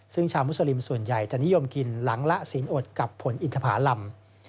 ซึ่งชาวมุสลิมส่วนใหญ่จะนิยมกินหลังละศีลอดกับผลอินทภาลำ